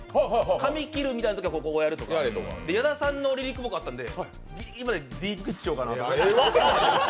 髪切るみたいなときにはこうやるとか、矢田さんのリリックあったんでぎりぎりまでディープキスしようかなって。